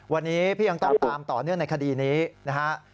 วันนี้พี่ยังตามต่อเนื่องในคดีนี้นะฮะ